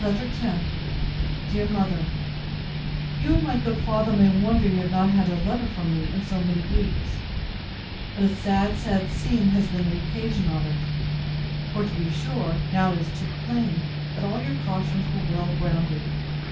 LETTER X DEAR MOTHER, You and my good father may wonder you have not had a letter from me in so many weeks; but a sad, sad scene, has been the occasion of it. For to be sure, now it is too plain, that all your cautions were well grounded.